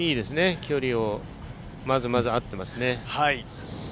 距離は、まずまず合ってますね。